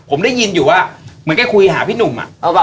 ผมได้ยินอยู่ว่าเหมือนแกคุยหาพี่หนุ่ม